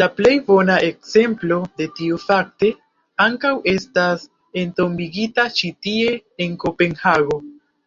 La plej bona ekzemplo de tio fakte ankaŭ estas entombigita ĉi tie en Kopenhago.